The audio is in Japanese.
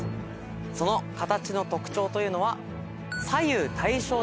その形の特徴というのは。